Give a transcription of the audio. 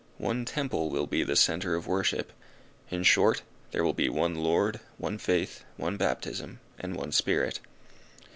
One temple will be the centre of worship. In short, there will be one Lord, one Faith, one Baptism, and one Spirit.